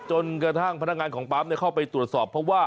จนกระทั่งพนักงานของปั๊มเข้าไปตรวจสอบ